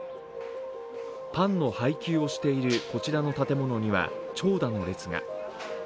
パンの配給をしているこちらの建物には長蛇の列が。